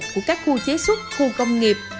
của các khu chế xuất khu công nghiệp